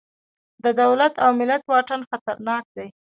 د دولت او ملت واټن خطرناک دی.